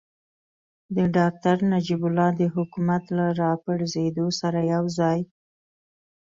د ډاکتر نجیب الله د حکومت له راپرځېدو سره یوځای.